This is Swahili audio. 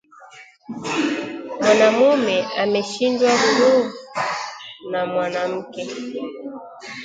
Mwanamume ameshindwa nguvu na mwanamke